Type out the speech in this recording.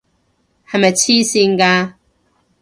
係咪癡線㗎？